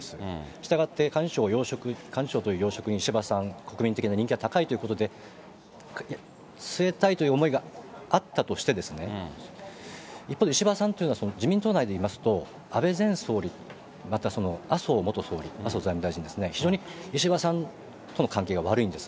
したがって、幹事長という要職に石破さん、国民的な人気が高いということで、据えたいという思いがあったとしてですね、一方で石破さんというのは、自民党内でいいますと、安倍前総理、また、麻生元総理、麻生財務大臣ですね、非常に石破さんとの関係が悪いんです。